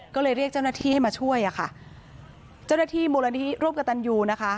ก็เลยเรียกเจ้าหน้าที่ให้มาช่วยอ่ะค่ะเจ้าหน้าที่มูลนิธิร่วมกับตันยูนะคะ